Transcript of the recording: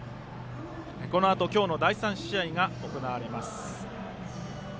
このあと今日の第３試合が行われます。